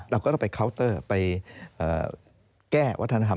เราก็ต้องไปเคาน์เตอร์ไปแก้วัฒนธรรม